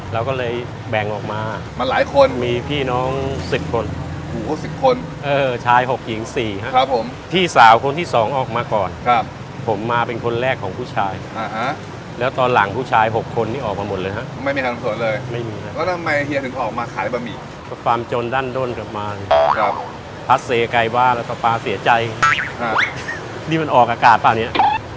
เราก็เลยแบ่งออกมามาหลายคนมีพี่น้อง๑๐คนหูสิบคนเออชาย๖หญิง๔ครับผมพี่สาวคนที่สองออกมาก่อนครับผมมาเป็นคนแรกของผู้ชายนะฮะแล้วตอนหลังผู้ชาย๖คนนี้ออกมาหมดเลยฮะไม่มีทางสวนเลยไม่มีแล้วทำไมเฮียถึงออกมาขายบะหมี่ความจนดั้นด้นกลับมาพาเซไกลบ้านแล้วก็ปลาเสียใจนี่มันออกอากาศป่ะเนี่ย